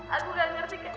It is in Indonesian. aku gak ngerti